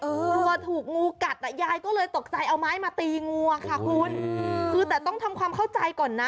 กลัวถูกงูกัดอ่ะยายก็เลยตกใจเอาไม้มาตีงูอะค่ะคุณคือแต่ต้องทำความเข้าใจก่อนนะ